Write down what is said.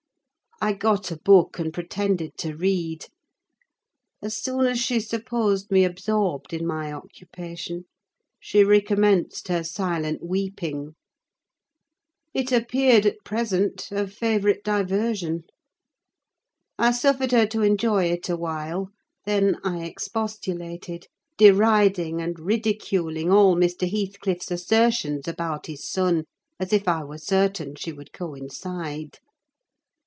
I got a book, and pretended to read. As soon as she supposed me absorbed in my occupation, she recommenced her silent weeping: it appeared, at present, her favourite diversion. I suffered her to enjoy it a while; then I expostulated: deriding and ridiculing all Mr. Heathcliff's assertions about his son, as if I were certain she would coincide.